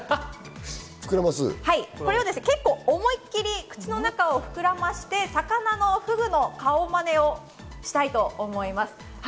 これは思いっきり口の中を膨らまして、魚のフグの顔マネをしたいと思います。